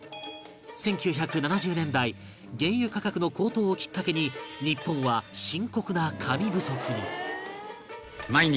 １９７０年代原油価格の高騰をきっかけに日本は深刻な紙不足に